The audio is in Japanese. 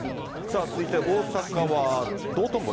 続いて、大阪は道頓堀。